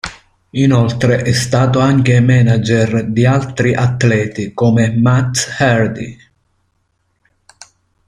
Inoltre è stato anche manager di altri atleti come Matt Hardy.